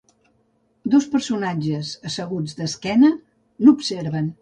Dos personatges, asseguts d'esquena, l'observen.